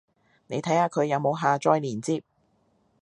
你睇下佢有冇下載連接